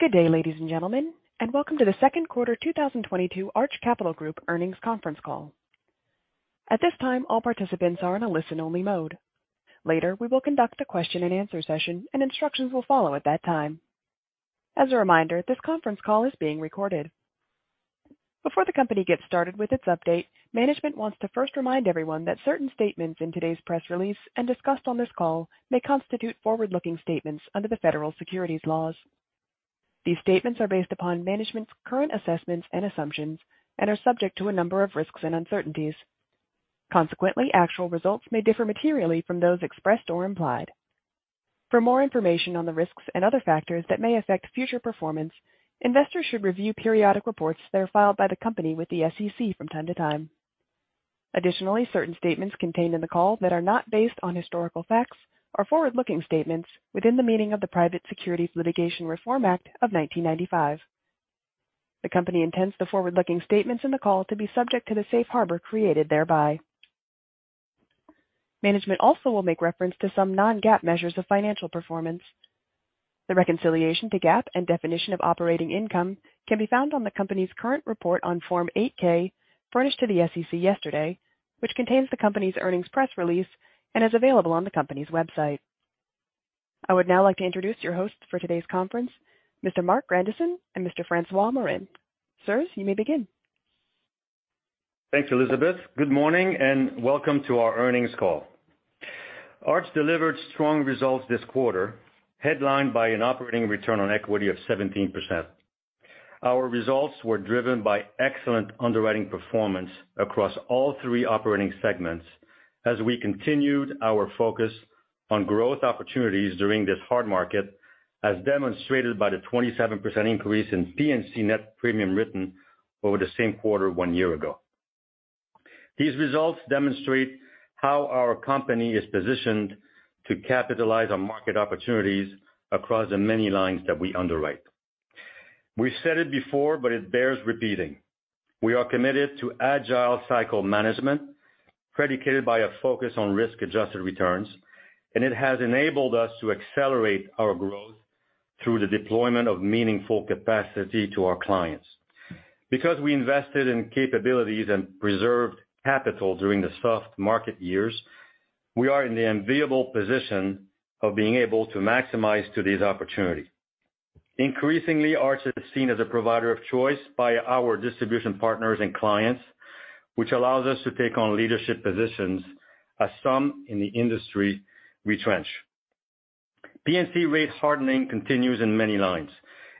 Good day, ladies and gentlemen, and welcome to the second quarter 2022 Arch Capital Group Earnings Conference Call. At this time, all participants are in a listen-only mode. Later, we will conduct a question-and-answer session, and instructions will follow at that time. As a reminder, this conference call is being recorded. Before the company gets started with its update, management wants to first remind everyone that certain statements in today's press release and discussed on this call may constitute forward-looking statements under the federal securities laws. These statements are based upon management's current assessments and assumptions and are subject to a number of risks and uncertainties. Consequently, actual results may differ materially from those expressed or implied. For more information on the risks and other factors that may affect future performance, investors should review periodic reports that are filed by the company with the SEC from time to time. Additionally, certain statements contained in the call that are not based on historical facts are forward-looking statements within the meaning of the Private Securities Litigation Reform Act of 1995. The company intends the forward-looking statements in the call to be subject to the safe harbor created thereby. Management also will make reference to some non-GAAP measures of financial performance. The reconciliation to GAAP and definition of operating income can be found on the company's current report on Form 8-K furnished to the SEC yesterday, which contains the company's earnings press release and is available on the company's website. I would now like to introduce your hosts for today's conference, Mr. Marc Grandisson and Mr. François Morin. Sirs, you may begin. Thanks, Elizabeth. Good morning, and welcome to our earnings call. Arch delivered strong results this quarter, headlined by an operating return on equity of 17%. Our results were driven by excellent underwriting performance across all three operating segments as we continued our focus on growth opportunities during this hard market, as demonstrated by the 27% increase in P&C net premium written over the same quarter one year ago. These results demonstrate how our company is positioned to capitalize on market opportunities across the many lines that we underwrite. We've said it before, but it bears repeating. We are committed to agile cycle management predicated by a focus on risk-adjusted returns, and it has enabled us to accelerate our growth through the deployment of meaningful capacity to our clients. Because we invested in capabilities and preserved capital during the soft market years, we are in the enviable position of being able to maximize today's opportunity. Increasingly, Arch is seen as a provider of choice by our distribution partners and clients, which allows us to take on leadership positions as some in the industry retrench. P&C rate hardening continues in many lines.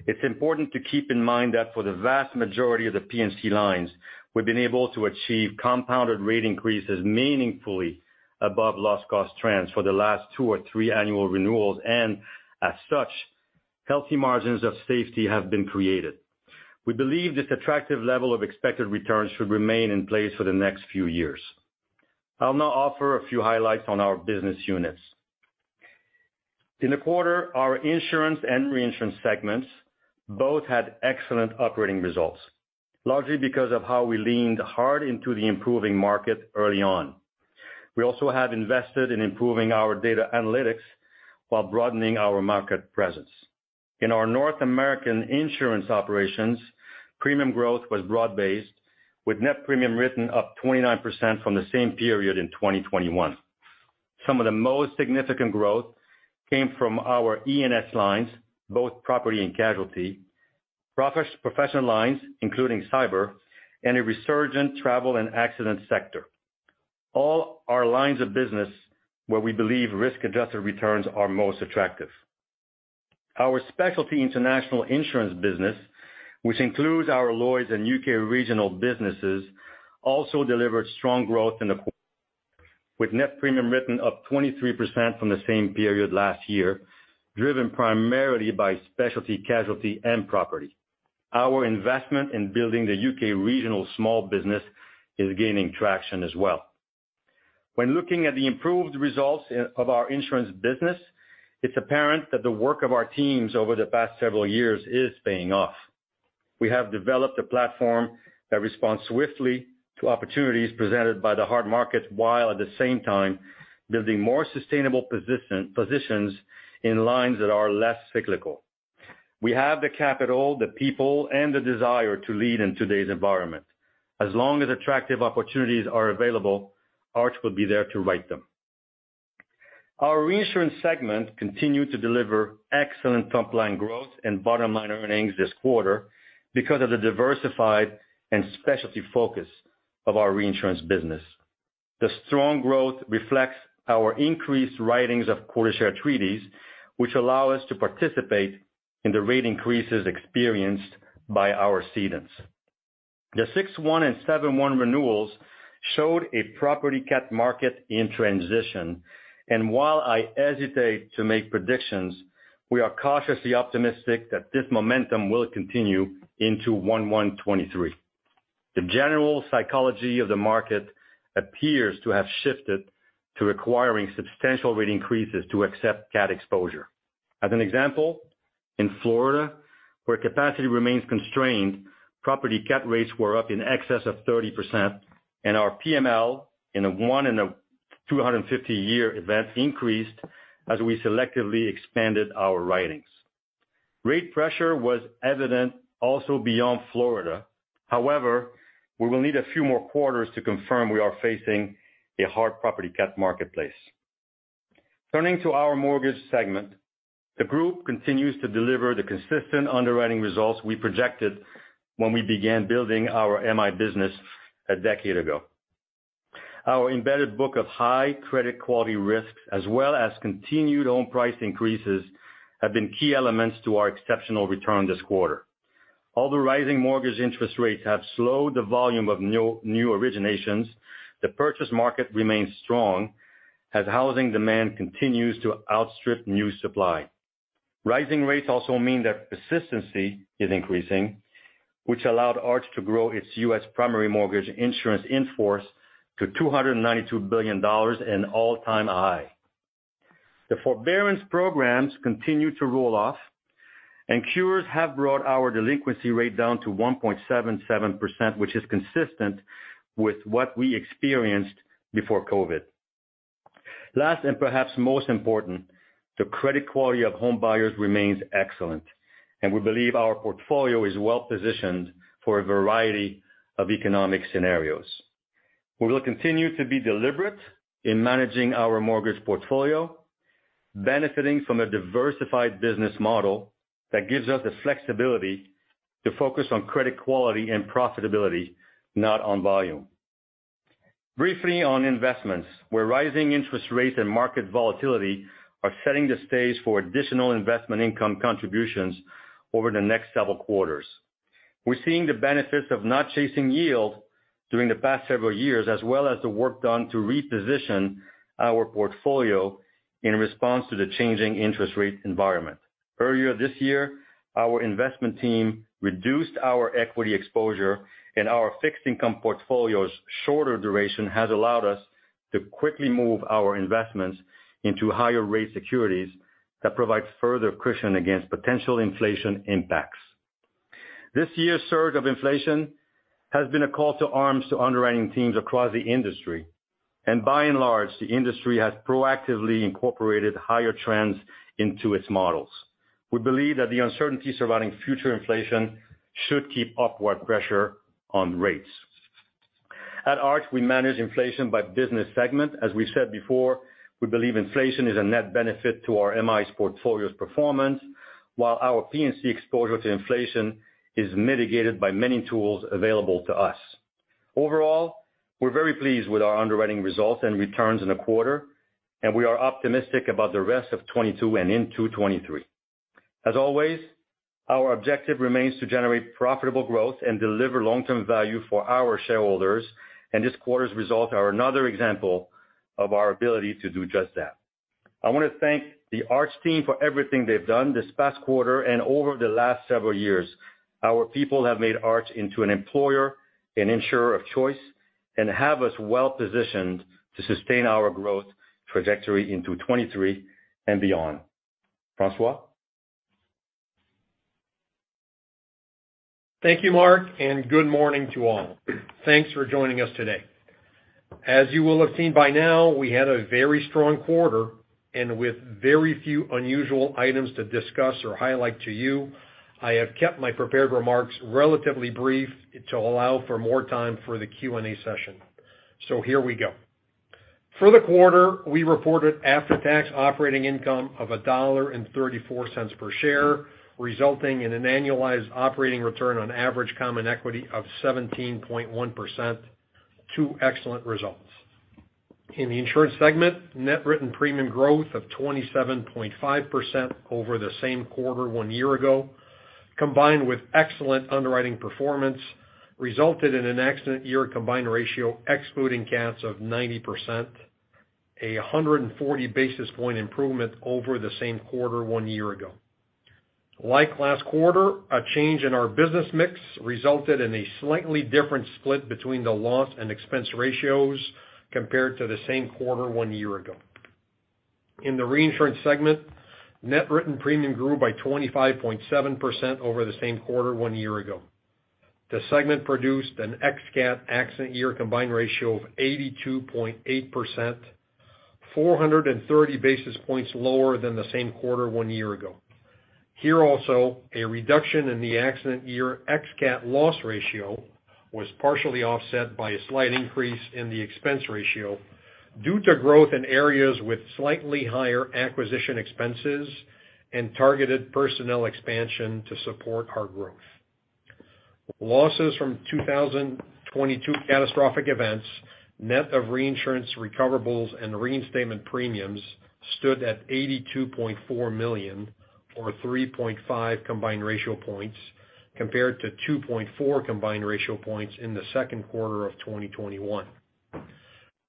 It's important to keep in mind that for the vast majority of the P&C lines, we've been able to achieve compounded rate increases meaningfully above loss cost trends for the last two or three annual renewals, and as such, healthy margins of safety have been created. We believe this attractive level of expected returns should remain in place for the next few years. I'll now offer a few highlights on our business units. In the quarter, our insurance and reinsurance segments both had excellent operating results, largely because of how we leaned hard into the improving market early on. We also have invested in improving our data analytics while broadening our market presence. In our North American insurance operations, premium growth was broad-based, with net premium written up 29% from the same period in 2021. Some of the most significant growth came from our E&S lines, both property and casualty, professional lines, including cyber, and a resurgent travel and accident sector. All our lines of business where we believe risk-adjusted returns are most attractive. Our specialty international insurance business, which includes our Lloyd's and U.K. regional businesses, also delivered strong growth with net premium written up 23% from the same period last year, driven primarily by specialty casualty and property. Our investment in building the UK regional small business is gaining traction as well. When looking at the improved results of our insurance business, it's apparent that the work of our teams over the past several years is paying off. We have developed a platform that responds swiftly to opportunities presented by the hard markets while at the same time building more sustainable positions in lines that are less cyclical. We have the capital, the people, and the desire to lead in today's environment. As long as attractive opportunities are available, Arch will be there to write them. Our reinsurance segment continued to deliver excellent top-line growth and bottom-line earnings this quarter because of the diversified and specialty focus of our reinsurance business. The strong growth reflects our increased writings of quota share treaties, which allow us to participate in the rate increases experienced by our cedents. The 6/1 and 7/1 renewals showed a property-cat market in transition, while I hesitate to make predictions, we are cautiously optimistic that this momentum will continue into 1/1/2023. The general psychology of the market appears to have shifted to requiring substantial rate increases to accept cat exposure. As an example, in Florida, where capacity remains constrained, property-cat rates were up in excess of 30% and our PML in the 100- and 250-year event increased as we selectively expanded our writings. Rate pressure was evident also beyond Florida. However, we will need a few more quarters to confirm we are facing a hard property-cat marketplace. Turning to our mortgage segment, the group continues to deliver the consistent underwriting results we projected when we began building our MI business a decade ago. Our embedded book of high credit quality risks, as well as continued home price increases, have been key elements to our exceptional return this quarter. Although rising mortgage interest rates have slowed the volume of new originations, the purchase market remains strong as housing demand continues to outstrip new supply. Rising rates also mean that persistency is increasing, which allowed Arch to grow its U.S. primary mortgage insurance in force to $292 billion, an all-time high. The forbearance programs continue to roll off, and cures have brought our delinquency rate down to 1.77%, which is consistent with what we experienced before COVID. Last, and perhaps most important, the credit quality of home buyers remains excellent, and we believe our portfolio is well positioned for a variety of economic scenarios. We will continue to be deliberate in managing our mortgage portfolio, benefiting from a diversified business model that gives us the flexibility to focus on credit quality and profitability, not on volume. Briefly on investments, where rising interest rates and market volatility are setting the stage for additional investment income contributions over the next several quarters. We're seeing the benefits of not chasing yield during the past several years, as well as the work done to reposition our portfolio in response to the changing interest rate environment. Earlier this year, our investment team reduced our equity exposure, and our fixed income portfolio's shorter duration has allowed us to quickly move our investments into higher rate securities that provides further cushion against potential inflation impacts. This year's surge of inflation has been a call to arms to underwriting teams across the industry. By and large, the industry has proactively incorporated higher trends into its models. We believe that the uncertainty surrounding future inflation should keep upward pressure on rates. At Arch, we manage inflation by business segment. As we said before, we believe inflation is a net benefit to our MI's portfolio's performance, while our P&C exposure to inflation is mitigated by many tools available to us. Overall, we're very pleased with our underwriting results and returns in the quarter, and we are optimistic about the rest of 2022 and into 2023. As always, our objective remains to generate profitable growth and deliver long-term value for our shareholders, and this quarter's results are another example of our ability to do just that. I want to thank the Arch team for everything they've done this past quarter and over the last several years. Our people have made Arch into an employer, an insurer of choice, and have us well-positioned to sustain our growth trajectory into 2023 and beyond. François. Thank you, Marc, and good morning to all. Thanks for joining us today. As you will have seen by now, we had a very strong quarter, and with very few unusual items to discuss or highlight to you, I have kept my prepared remarks relatively brief to allow for more time for the Q&A session. Here we go. For the quarter, we reported after-tax operating income of $1.34 per share, resulting in an annualized operating return on average common equity of 17.1%. Excellent results. In the insurance segment, net written premium growth of 27.5% over the same quarter one year ago, combined with excellent underwriting performance, resulted in an excellent combined ratio excluding cats of 90%, a 140 basis points improvement over the same quarter one year ago. Like last quarter, a change in our business mix resulted in a slightly different split between the loss and expense ratios compared to the same quarter one year ago. In the reinsurance segment, net written premium grew by 25.7% over the same quarter one year ago. The segment produced an ex-cat accident year combined ratio of 82.8%, 430 basis points lower than the same quarter one year ago. Here also, a reduction in the accident year ex-cat loss ratio was partially offset by a slight increase in the expense ratio due to growth in areas with slightly higher acquisition expenses and targeted personnel expansion to support our growth. Losses from 2022 catastrophic events, net of reinsurance recoverables and reinstatement premiums stood at $82.4 million, or 3.5 combined ratio points, compared to 2.4 combined ratio points in the second quarter of 2021.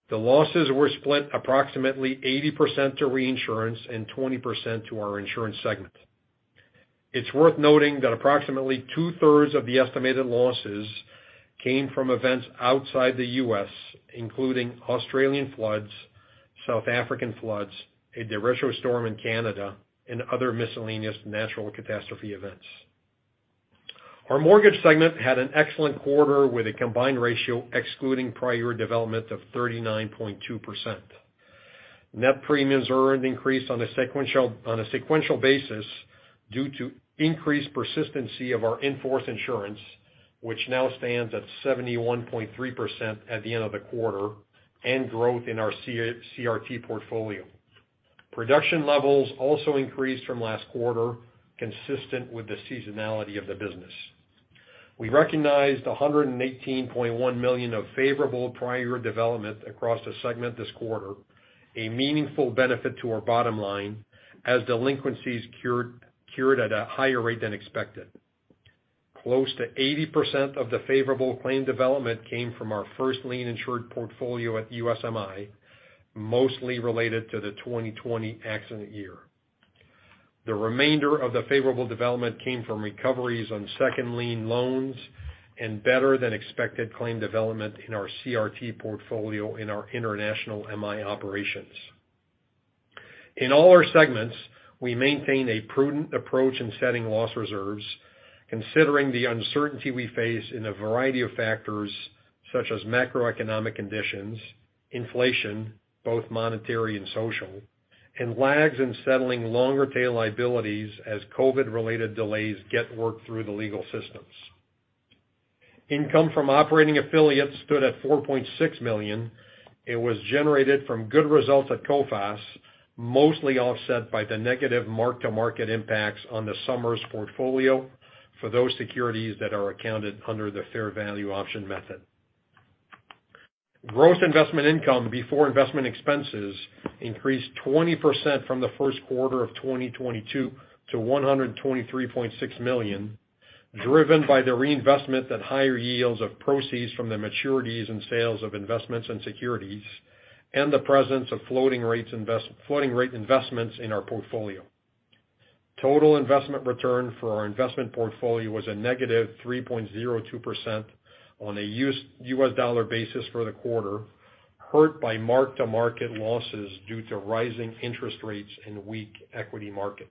The losses were split approximately 80% to reinsurance and 20% to our insurance segment. It's worth noting that approximately two-thirds of the estimated losses came from events outside the U.S., including Australian floods, South African floods, a derecho storm in Canada, and other miscellaneous natural catastrophe events. Our mortgage segment had an excellent quarter with a combined ratio excluding prior development of 39.2%. Net premiums earned increased on a sequential basis due to increased persistency of our in-force insurance, which now stands at 71.3% at the end of the quarter and growth in ourCRT portfolio. Production levels also increased from last quarter, consistent with the seasonality of the business. We recognized $118.1 million of favorable prior development across the segment this quarter, a meaningful benefit to our bottom line as delinquencies cured at a higher rate than expected. Close to 80% of the favorable claim development came from ourfirst-lien insured portfolio at USMI, mostly related to the 2020 accident year. The remainder of the favorable development came from recoveries on second-lien loans and better than expected claim development in our CRT portfolio in our international MI operations. In all our segments, we maintain a prudent approach in setting loss reserves, considering the uncertainty we face in a variety of factors such as macroeconomic conditions, inflation, both monetary and social, and lags in settling longer tail liabilities as COVID-related delays get worked through the legal systems. Income from operating affiliates stood at $4.6 million. It was generated from good results at Coface, mostly offset by the negative mark-to-market impacts on the Somers portfolio for those securities that are accounted under the fair value option method. Gross investment income before investment expenses increased 20% from the first quarter of 2022 to $123.6 million, driven by the reinvestment at higher yields of proceeds from the maturities and sales of investments and securities and the presence of floating rate investments in our portfolio. Total investment return for our investment portfolio was a -3.02% on a U.S. dollar basis for the quarter, hurt by mark-to-market losses due to rising interest rates and weak equity markets.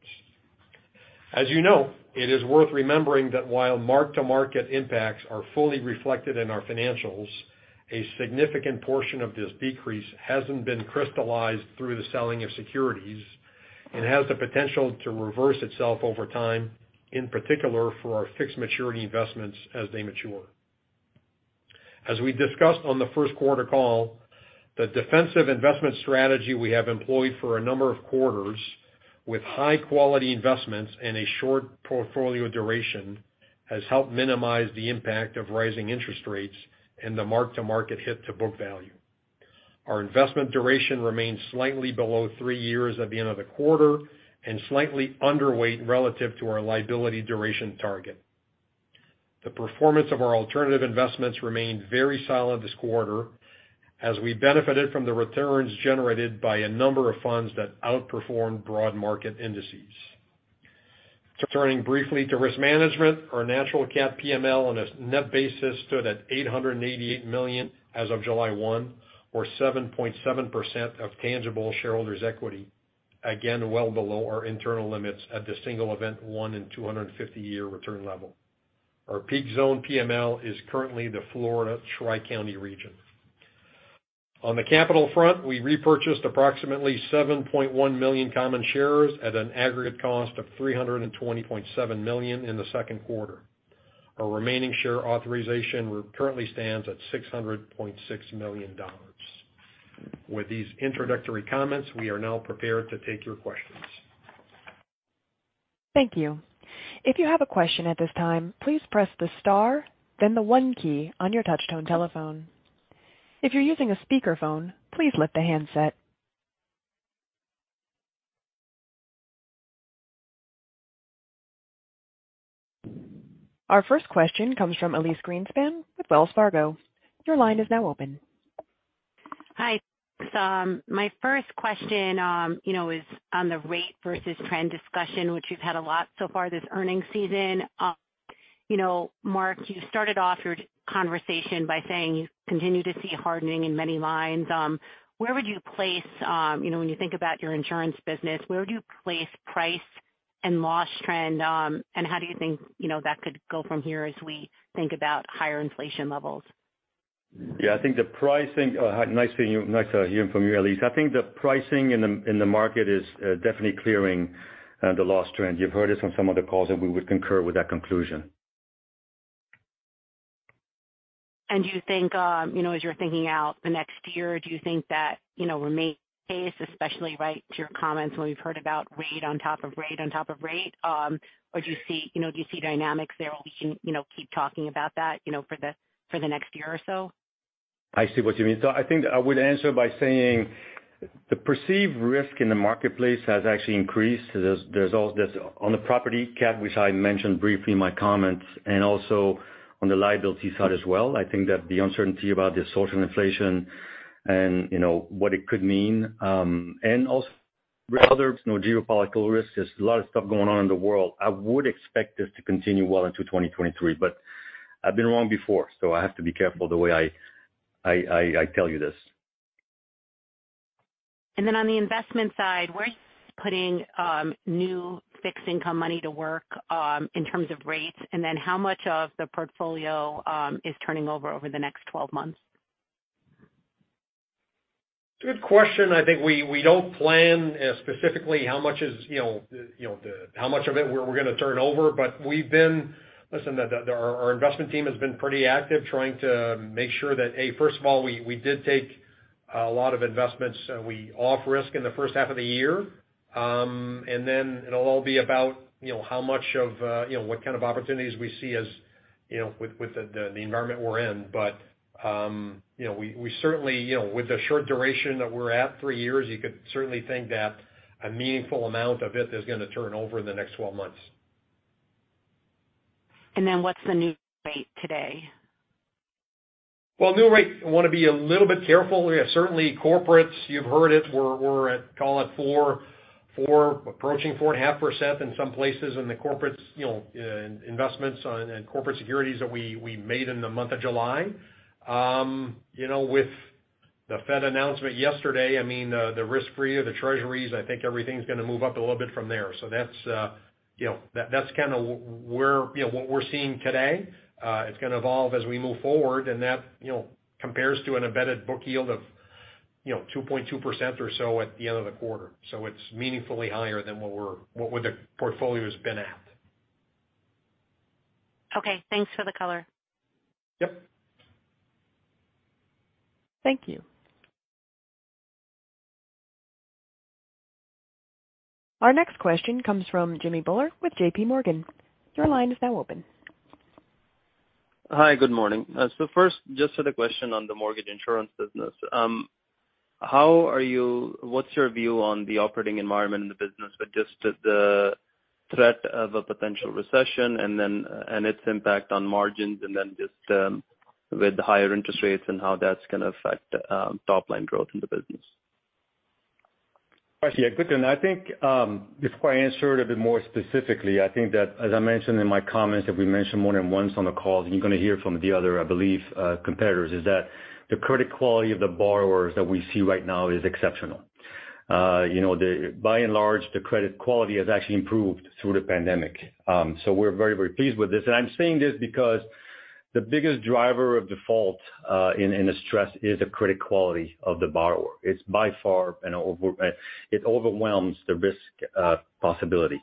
As you know, it is worth remembering that while mark-to-market impacts are fully reflected in our financials, a significant portion of this decrease hasn't been crystallized through the selling of securities and has the potential to reverse itself over time, in particular for our fixed-maturity investments as they mature. As we discussed on the first quarter call, the defensive investment strategy we have employed for a number of quarters with high-quality investments and a short portfolio duration has helped minimize the impact of rising interest rates and the mark-to-market hit to book value. Our investment duration remains slightly below three years at the end of the quarter and slightly underweight relative to our liability duration target. The performance of our alternative investments remained very solid this quarter as we benefited from the returns generated by a number of funds that outperformed broad market indices. Turning briefly to risk management, ournatural-cat PML on a net basis stood at $888 million as of July 1, or 7.7% of tangible shareholders' equity. Again, well below our internal limits at the single event 1-in-250-year return level. Our peak zone PML is currently the Florida Tri-County region. On the capital front, we repurchased approximately 7.1 million common shares at an aggregate cost of $320.7 million in the second quarter. Our remaining share authorization currently stands at $600.6 million. With these introductory comments, we are now prepared to take your questions. Thank you. If you have a question at this time, please press the star, then the one key on your touch-tone telephone. If you're using a speakerphone, please lift the handset. Our first question comes from Elyse Greenspan with Wells Fargo. Your line is now open. Hi. My first question, you know, is on the rate versus trend discussion, which you've had a lot so far this earnings season. You know, Marc, you started off your conversation by saying you continue to see hardening in many lines. Where would you place, you know, when you think about your insurance business, where would you place price and loss trend, and how do you think, you know, that could go from here as we think about higher inflation levels? Hi, nice seeing you. Nice hearing from you, Elyse. I think the pricing in the market is definitely clearing the loss trend. You've heard this on some of the calls, and we would concur with that conclusion. Do you think, you know, as you're thinking out the next year, do you think that, you know, remains the case, especially in light of your comments when we've heard about rate on top of rate on top of rate? Or do you see, you know, do you see dynamics there where we can, you know, keep talking about that, you know, for the next year or so? I see what you mean. I think I would answer by saying the perceived risk in the marketplace has actually increased. There's on the property-cat, which I mentioned briefly in my comments, and also on the liability side as well, I think that the uncertainty about the social inflation and, you know, what it could mean, and also other geopolitical risks, there's a lot of stuff going on in the world. I would expect this to continue well into 2023, but I've been wrong before, so I have to be careful the way I tell you this. On the investment side, where are you putting new fixed-income money to work in terms of rates? How much of the portfolio is turning over the next 12 months? Good question. I think we don't plan specifically how much, you know, how much of it we're going to turn over, but we've been. Listen, our investment team has been pretty active trying to make sure that, A, first of all, we did take a lot of investments we off-risk in the first half of the year. And then it'll all be about, you know, how much of, you know, what kind of opportunities we see as, you know, with the environment we're in. You know, we certainly, you know, with the short duration that we're at, three years, you could certainly think that a meaningful amount of it is going to turn over in the next 12 months. What's the new rate today? Well, new rate, I want to be a little bit careful. Certainly corporates, you've heard it, we're at, call it 4, approaching 4.5% in some places in the corporates, you know, investments and corporate securities that we made in the month of July. You know, with the Fed announcement yesterday, I mean, the risk-free or the treasuries, I think everything's going to move up a little bit from there. That's, you know, that's where, you know, what we're seeing today. It's going to evolve as we move forward, and that, you know, compares to an embedded book yield of, you know, 2.2% or so at the end of the quarter. It's meaningfully higher than what the portfolio's been at. Okay. Thanks for the color. Yep. Thank you. Our next question comes from Jimmy Bhullar with JPMorgan. Your line is now open. Hi, good morning. First, just sort of a question on the mortgage insurance business. What's your view on the operating environment in the business with just the threat of a potential recession and its impact on margins and then just with the higher interest rates and how that's going to affect top line growth in the business? Actually, a good one. I think before I answer it a bit more specifically, I think that as I mentioned in my comments, that we mentioned more than once on the call, you're going to hear from the other, I believe, competitors is that the credit quality of the borrowers that we see right now is exceptional. You know, by and large, the credit quality has actually improved through the pandemic. We're very, very pleased with this. I'm saying this because the biggest driver of default in a stress is the credit quality of the borrower. It's by far. It overwhelms the risk possibility.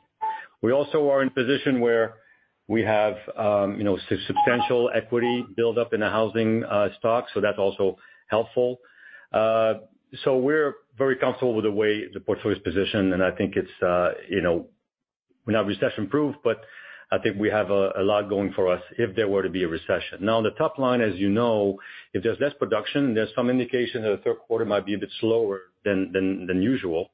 We also are in position where we have, you know, substantial equity built up in the housing stock, so that's also helpful. So we're very comfortable with the way the portfolio is positioned, and I think it's, you know, we're not recession-proof, but I think we have a lot going for us if there were to be a recession. Now on the top line, as you know, if there's less production, there's some indication that the third quarter might be a bit slower than usual.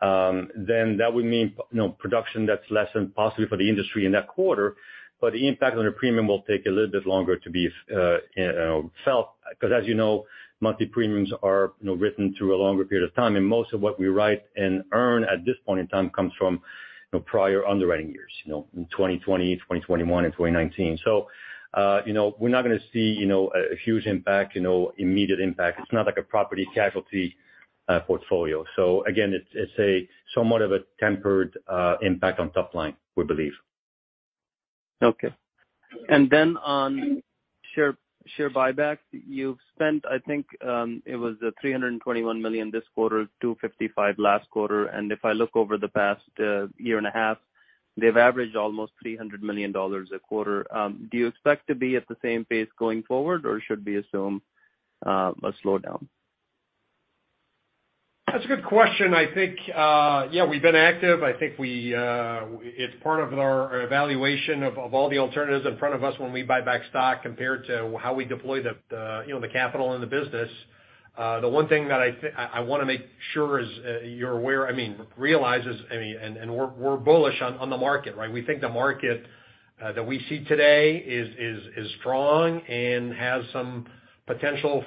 Then that would mean, you know, production that's less than possibly for the industry in that quarter. But the impact on the premium will take a little bit longer to be, you know, felt, because as you know, monthly premiums are, you know, written through a longer period of time. Most of what we write and earn at this point in time comes from, you know, prior underwriting years, you know, in 2020, 2021 and 2019. You know, we're not going to see, you know, a huge impact, you know, immediate impact. It's not like a property-casualty portfoli. Again, it's a somewhat of a tempered impact on top line, we believe. Okay. On share buybacks, you've spent, I think, it was $321 million this quarter, $255 million last quarter. If I look over the past year and a half, they've averaged almost $300 million a quarter. Do you expect to be at the same pace going forward, or should we assume a slowdown? That's a good question. I think, yeah, we've been active. I think it's part of our evaluation of all the alternatives in front of us when we buy back stock compared to how we deploy the, you know, the capital in the business. The one thing that I want to make sure is, you're aware, I mean, realizes, I mean, and we're bullish on the market, right? We think the market that we see today is strong and has some potential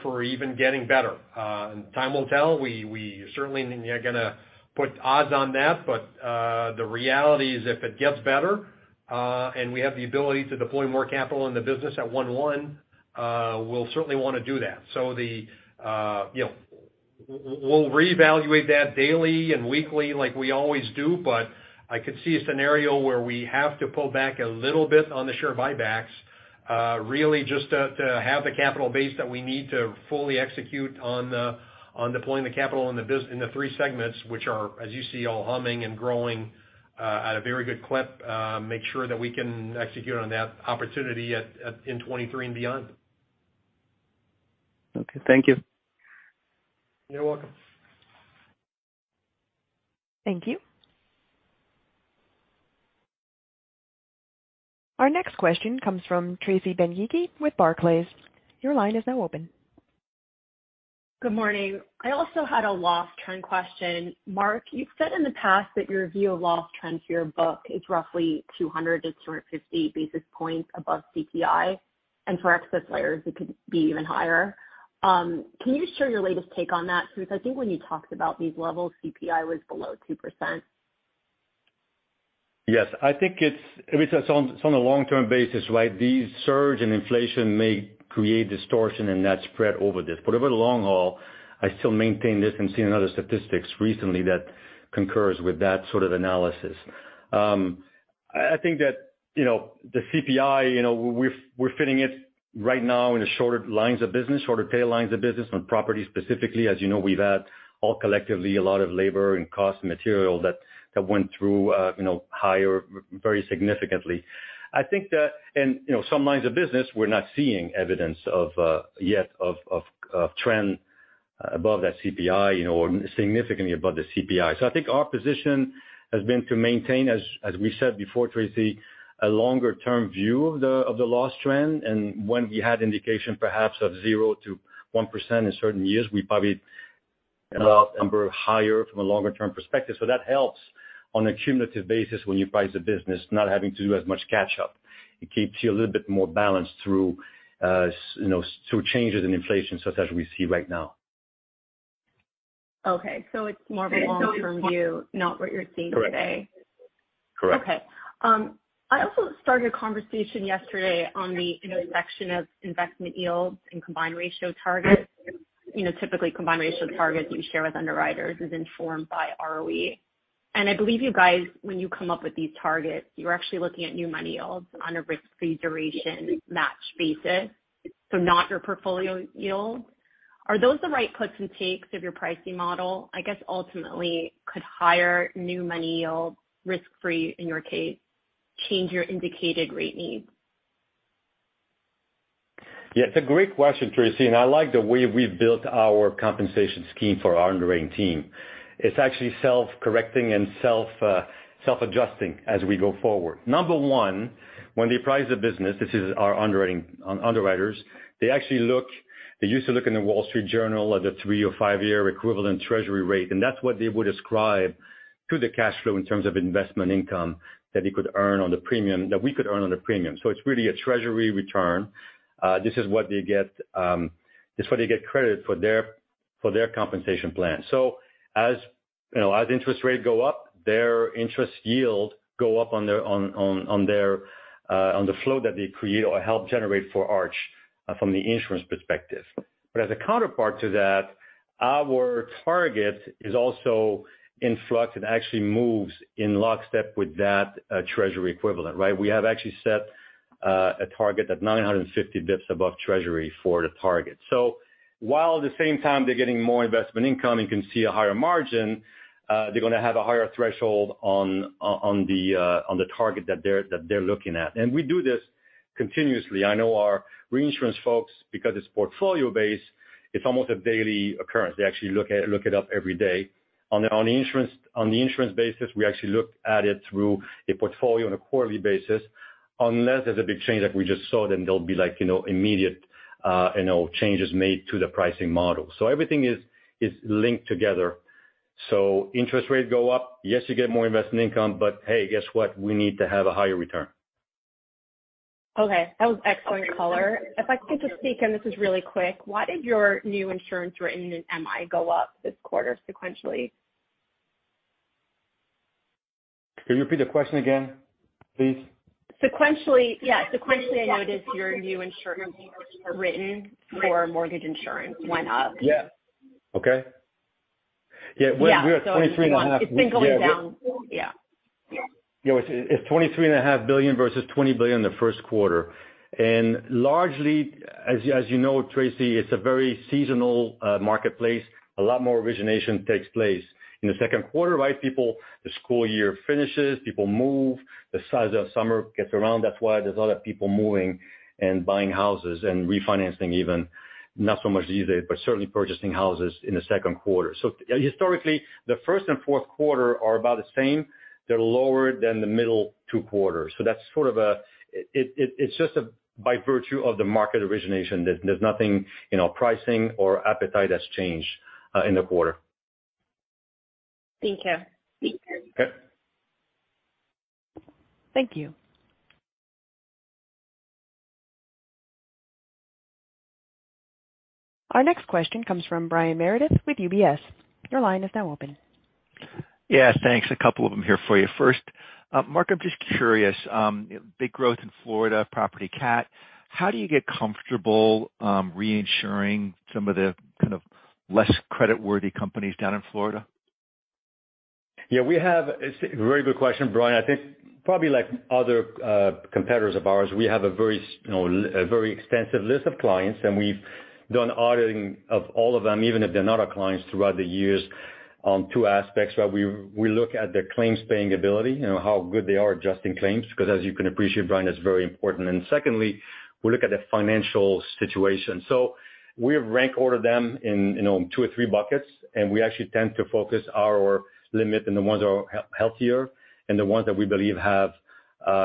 for even getting better. Time will tell. We certainly are going to put odds on that. The reality is if it gets better, and we have the ability to deploy more capital in the business at one-one, we'll certainly want to do that. We'll reevaluate that daily and weekly like we always do, but I could see a scenario where we have to pull back a little bit on the share buybacks, really just to have the capital base that we need to fully execute on deploying the capital in the three segments, which are, as you see, all humming and growing at a very good clip. Make sure that we can execute on that opportunity in 2023 and beyond. Okay. Thank you. You're welcome. Thank you. Our next question comes from Tracy Benguigui with Barclays. Your line is now open. Good morning. I also had a loss trend question. Marc, you've said in the past that your view of loss trends for your book is roughly 200–250 basis points above CPI, and for excess layers, it could be even higher. Can you share your latest take on that? Because I think when you talked about these levels, CPI was below 2%. Yes, I think it's, I mean, it's on a long-term basis, right? This surge in inflation may create distortion in that spread over this. Over the long haul, I still maintain this and seen other statistics recently that concur with that sort of analysis. I think that, you know, the CPI, you know, we're feeling it right now in the shorter lines of business, shorter tail lines of business on property specifically. As you know, we've had all collectively a lot of labor and material costs that went through, you know, higher very significantly. I think that, you know, some lines of business we're not seeing evidence yet of trend above that CPI, you know, or significantly above the CPI. I think our position has been to maintain, as we said before, Tracy, a longer-term view of the loss trend. When we had indication perhaps of 0%–1% in certain years, we probably allowed a number higher, from a longer-term perspective. That helps on a cumulative basis when you price a business, not having to do as much catch-up. It keeps you a little bit more balanced through, you know, through changes in inflation such as we see right now. Okay. It's more of a long-term view, not what you're seeing today? Correct. Okay. I also started a conversation yesterday on the intersection of investment yields and combined ratio targets. You know, typically combined ratio targets you share with underwriters is informed by ROE. I believe you guys, when you come up with these targets, you're actually looking at new money yields on a risk-free duration match basis, so not your portfolio yields. Are those the right puts and takes of your pricing model? I guess ultimately could higher new money yields, risk-free in your case, change your indicated rate needs? Yeah, it's a great question, Tracy, and I like the way we've built our compensation scheme for our underwriting team. It's actually self-correcting and self-adjusting as we go forward. Number one, when they price a business, our underwriters. They used to look in the Wall Street Journal at the 3- or 5-year equivalent Treasury rate, and that's what they would ascribe to the cash flow in terms of investment income that they could earn on the premium, that we could earn on the premium. It's really a Treasury return. This is what they get credited for their compensation plan. As you know, as interest rates go up, their interest yield go up on the flow that they create or help generate for Arch from the insurance perspective. But as a counterpart to that, our target is also in flux and actually moves in lockstep with that, Treasury equivalent, right? We have actually set a target that 950 bps above Treasury for the target. While at the same time they're getting more investment income and can see a higher margin, they're going to have a higher threshold on the target that they're looking at. We do this continuously. I know our reinsurance folks, because it's portfolio-based, it's almost a daily occurrence. They actually look it up every day. On the insurance basis, we actually look at it through a portfolio on a quarterly basis, unless there's a big change like we just saw, then there'll be like, you know, immediate, you know, changes made to the pricing model. Everything is linked together. Interest rates go up, yes, you get more investment income, but hey, guess what? We need to have a higher return. Okay, that was excellent color. If I could just sneak in, this is really quick. Why did your new insurance written in MI go up this quarter sequentially? Can you repeat the question again, please? Sequentially, yeah, I noticed your new insurance written for mortgage insurance went up. Yeah. Okay. Yeah. We’re at $23.5 billion— It's been going down. Yeah. Yeah, it's $23.5 billion versus $20 billion in the first quarter. Largely, as you know, Tracy, it's a very seasonal marketplace. A lot more origination takes place in the second quarter, right? People, the school year finishes, people move, the season summer gets around. That's why there's a lot of people moving and buying houses and refinancing even, not so much these days, but certainly purchasing houses in the second quarter. Historically, the first and fourth quarter are about the same. They're lower than the middle two quarters. That's sort of it. It's just by virtue of the market origination. There's nothing, you know, pricing or appetite has changed in the quarter. Thank you. Okay. Thank you. Our next question comes from Brian Meredith with UBS. Your line is now open. Yeah, thanks. A couple of them here for you. First, Marc, I'm just curious, big growth in Florida property-cat. How do you get comfortable, reinsuring some of the kind of less creditworthy companies down in Florida? Yeah, we have. It's a very good question, Brian. I think probably like other competitors of ours, we have a very, you know, a very extensive list of clients, and we've done auditing of all of them, even if they're not our clients throughout the years on two aspects, right? We look at their claims-paying ability, you know, how good they are adjusting claims, because as you can appreciate, Brian, it's very important. Secondly, we look at the financial situation. We rank order them in, you know, 2 or 3 buckets, and we actually tend to focus our limit in the ones that are healthier and the ones that we believe have,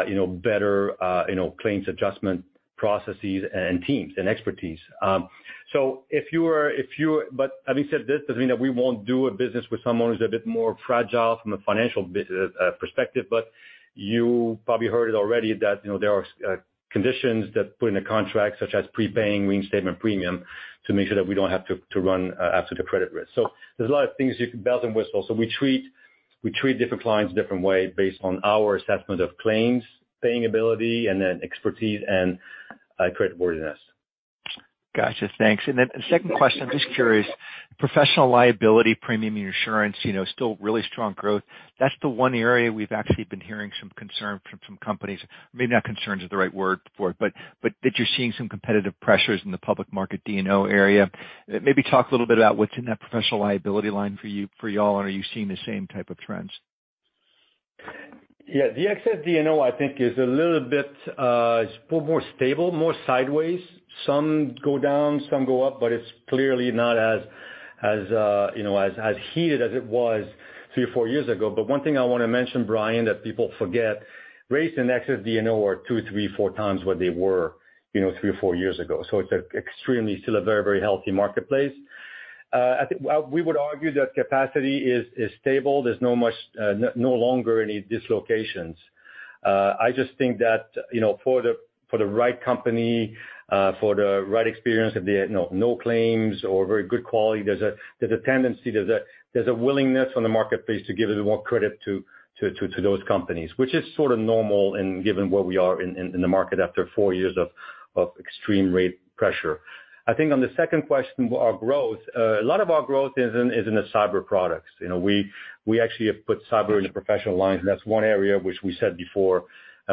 you know, better, you know, claims adjustment processes and teams and expertise. Having said this doesn't mean that we won't do business with someone who's a bit more fragile from a financial perspective, but you probably heard it already that, you know, there are conditions that put in a contract such as prepaying reinstatement premium to make sure that we don't have to run after the credit risk. There's a lot of things, you know, bells and whistles. We treat different clients differently based on our assessment of claims-paying ability, and then expertise and I credit Morgan Nest. Gotcha. Thanks. Second question, I'm just curious, professional liability premium insurance, you know, still really strong growth. That's the one area we've actually been hearing some concern from companies. Maybe not concerns is the right word for it, but that you're seeing some competitive pressures in the public market D&O area. Maybe talk a little bit about what's in that professional liability line for you, for y'all, and are you seeing the same type of trends? Yeah. The excess D&O, I think is a little bit more stable, more sideways. Some go down, some go up, but it's clearly not as you know as heated as it wasthree or four years ago. One thing I want to mention, Brian, that people forget, rates in excess D&O are two, three, four times what they were, you know, three or four years ago. It's extremely still a very, very healthy marketplace. I think we would argue that capacity is stable. There's no longer any dislocations. I just think that, you know, for the right company, for the right experience, if they had no claims or very good quality, there's a tendency, there's a willingness on the marketplace to give a little more credit to those companies, which is sort of normal in given where we are in the market after four years of extreme rate pressure. I think on the second question, our growth, a lot of our growth is in the cyber products. You know, we actually have put cyber in the professional lines, and that's one area which we said before,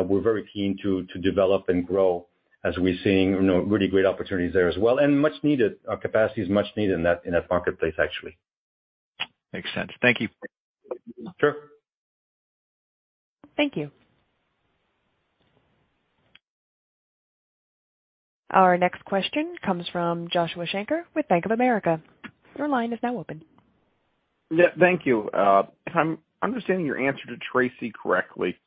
we're very keen to develop and grow as we're seeing, you know, really great opportunities there as well, and much needed. Our capacity is much needed in that marketplace, actually. Makes sense. Thank you. Sure. Thank you. Our next question comes from Joshua Shanker with Bank of America. Your line is now open. Yeah. Thank you. If I'm understanding your answer to Tracy correctly,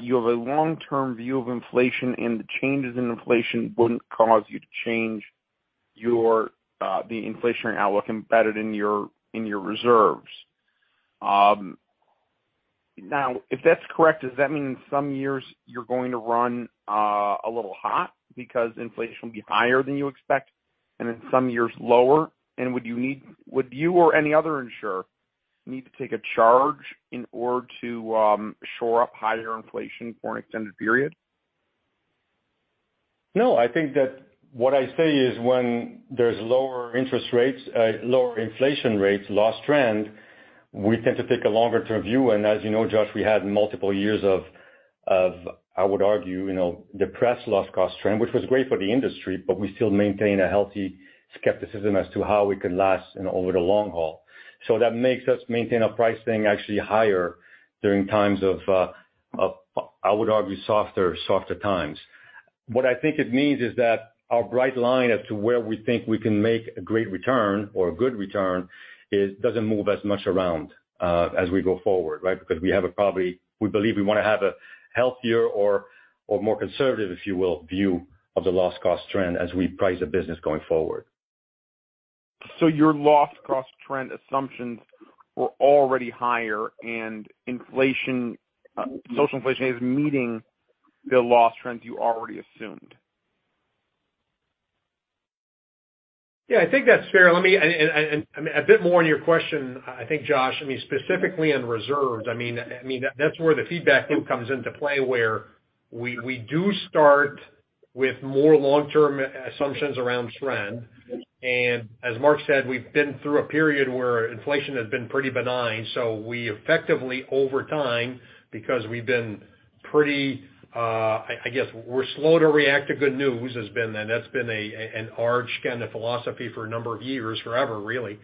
you have a long-term view of inflation, and the changes in inflation wouldn't cause you to change your the inflationary outlook embedded in your reserves. Now, if that's correct, does that mean in some years you're going to run a little hot because inflation will be higher than you expect, and in some years lower? Would you or any other insurer need to take a charge in order to shore up higher inflation for an extended period? No, I think that what I say is when there's lower interest rates, lower inflation rates, loss trend, we tend to take a longer term view. As you know, Josh, we had multiple years of I would argue, you know, depressed loss cost trend, which was great for the industry, but we still maintain a healthy skepticism as to how we could last in over the long haul. That makes us maintain our pricing actually higher during times of I would argue, softer times. What I think it means is that our bright line as to where we think we can make a great return or a good return is, doesn't move as much around, as we go forward, right? Because we have a probably. We believe we want to have a healthier or more conservative, if you will, view of the loss cost trend as we price a business going forward. Your loss cost trend assumptions were already higher than inflation. Social inflation is meeting the loss trends you already assumed. Yeah, I think that's fair. A bit more on your question, I think, Josh, I mean, specifically on reserves, that's where the feedback loop comes into play, where we do start with more long-term assumptions around trend. As Mark said, we've been through a period where inflation has been pretty benign. We effectively over time, because we've been pretty, I guess we're slow to react to good news, that's been an Arch kind of philosophy for a number of years, forever, really.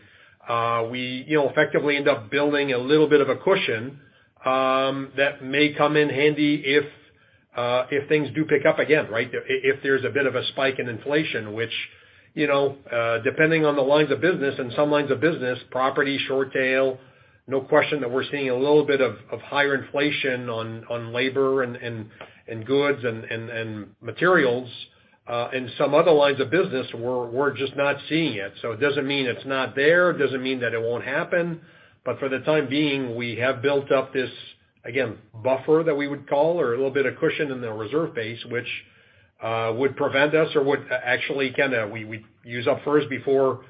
You know, we effectively end up building a little bit of a cushion that may come in handy if things do pick up again, right? If there's a bit of a spike in inflation, which, you know, depending on the lines of business, in some lines of business, property, short-tail, no question that we're seeing a little bit of higher inflation on labor and goods and materials. In some other lines of business, we're just not seeing it. It doesn't mean it's not there. It doesn't mean that it won't happen. For the time being, we have built up this, again, buffer that we would call or a little bit of cushion in the reserve base, which would prevent us or would actually kind of we use up first before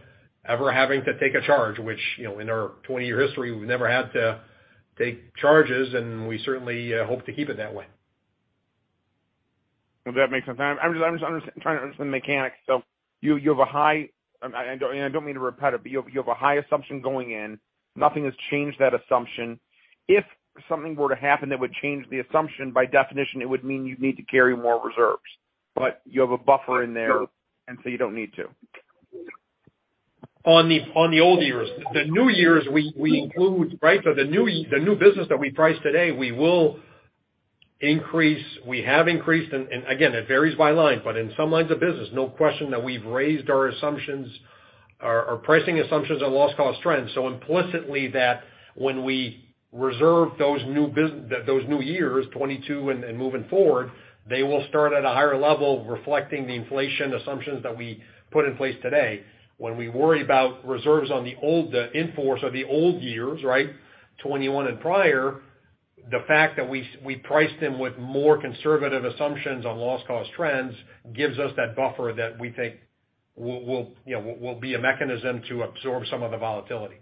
ever having to take a charge, which, you know, in our 20-year history, we've never had to take charges, and we certainly hope to keep it that way. That makes sense. I'm just trying to understand the mechanics. You have a high assumption going in. Nothing has changed that assumption. If something were to happen that would change the assumption, by definition, it would mean you'd need to carry more reserves. I don't, you know, I don't mean to repeat it, but you have a high assumption going in. You have a buffer in there. Sure. You don't need to. On the old years. The new years we include, right? The new business that we price today, we will increase, we have increased. Again, it varies by line, but in some lines of business, no question that we've raised our assumptions, our pricing assumptions on loss cost trends. Implicitly, that when we reserve those new years, 2022 and moving forward, they will start at a higher level reflecting the inflation assumptions that we put in place today. When we worry about reserves on the old, the in-force or the old years, right, 2021 and prior, the fact that we priced them with more conservative assumptions on loss cost trends gives us that buffer that we think will, you know, be a mechanism to absorb some of the volatility.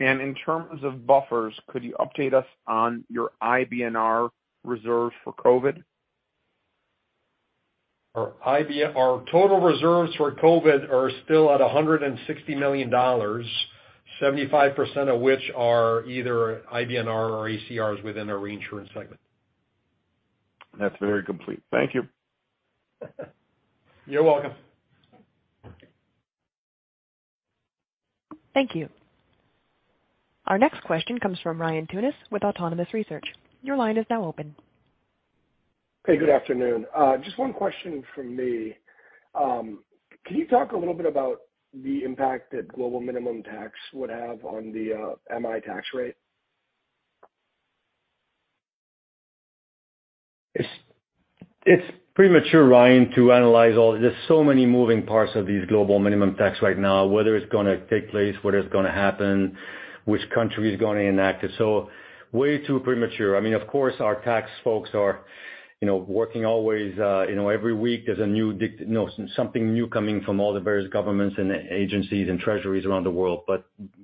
In terms of buffers, could you update us on your IBNR reserve for COVID? Our total reserves for COVID are still at $160 million, 75% of which are either IBNR or ACRs within our reinsurance segment. That's very complete. Thank you. You're welcome. Thank you. Our next question comes from Ryan Tunis with Autonomous Research. Your line is now open. Hey, good afternoon. Just one question from me. Can you talk a little bit about the impact that global minimum tax would have on the MI tax rate? It's premature, Ryan, to analyze all. There's so many moving parts of these global minimum tax right now, whether it's going to take place, whether it's going to happen, which country is going to enact it. Way too premature. I mean, of course, our tax folks are, you know, working always, every week there's a new, you know, something new coming from all the various governments and agencies and treasuries around the world.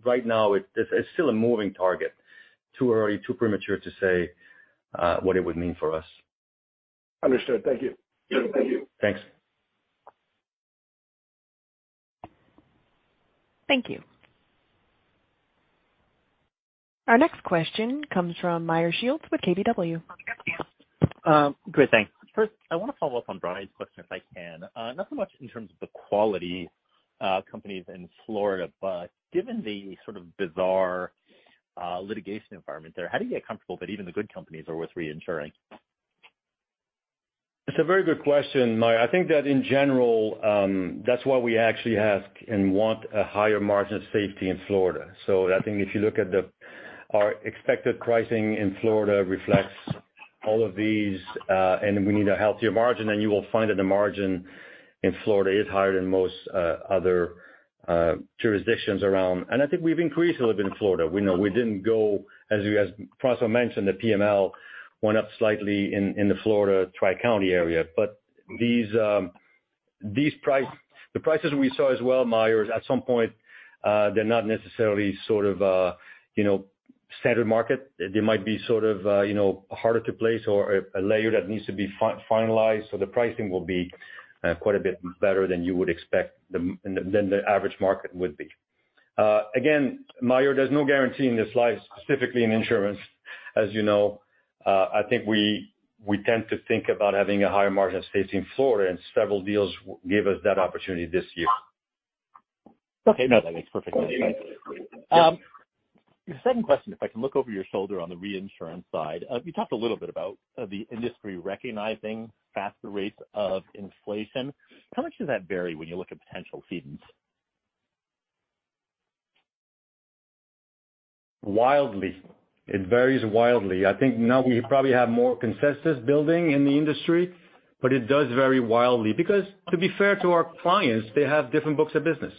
Right now it's still a moving target. Too early, too premature to say, what it would mean for us. Understood. Thank you. Thank you. Thanks. Thank you. Our next question comes from Meyer Shields with KBW. Great. Thanks. First, I want to follow up on Brian's question, if I can, not so much in terms of the quality, companies in Florida, but given the sort of bizarre, litigation environment there, how do you get comfortable that even the good companies are worth reinsuring? It's a very good question, Meyer. I think that in general, that's why we actually ask and want a higher margin of safety in Florida. I think if you look at our expected pricing in Florida reflects all of these, and we need a healthier margin, then you will find that the margin in Florida is higher than most other jurisdictions around. I think we've increased a little bit in Florida. We know we didn't go as François mentioned, the PML went up slightly in the Florida Tri-County area. These prices we saw as well, Meyer, is at some point, they're not necessarily sort of you know standard market. They might be sort of you know harder to place or a layer that needs to be finalized. The pricing will be quite a bit better than you would expect than the average market would be. Again, Meyer, there's no guarantee in this life, specifically in insurance, as you know. I think we tend to think about having a higher margin of safety in Florida, and several deals give us that opportunity this year. Okay. No, that makes perfect sense. Thank you. Second question, if I can look over your shoulder on the reinsurance side. You talked a little bit about the industry recognizing faster rates of inflation. How much does that vary when you look at potential cedents? Wildly. It varies wildly. I think now we probably have more consensus building in the industry, but it does vary wildly. Because to be fair to our clients, they have different books of business.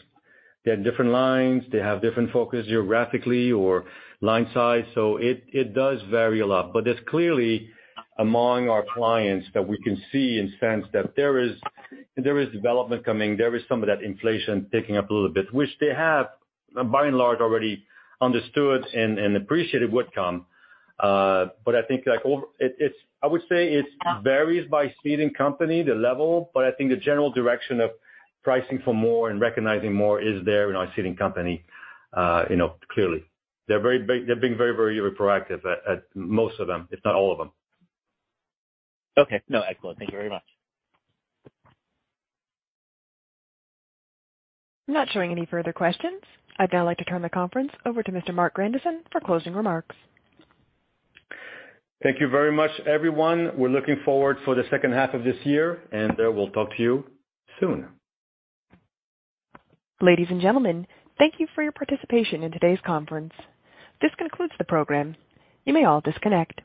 They have different lines. They have different focus geographically or line size, so it does vary a lot. There's clearly among our clients that we can see and sense that there is development coming. There is some of that inflation ticking up a little bit, which they have by and large already understood and appreciated would come. I think I would say it varies by ceding company, the level, but I think the general direction of pricing for more and recognizing more is there in our ceding company, you know, clearly. They're being very, very proactive at most of them, if not all of them. Okay. No, excellent. Thank you very much. I'm not showing any further questions. I'd now like to turn the conference over to Mr. Marc Grandisson for closing remarks. Thank you very much, everyone. We're looking forward for the second half of this year, and we'll talk to you soon. Ladies and gentlemen, thank you for your participation in today's conference. This concludes the program. You may all disconnect.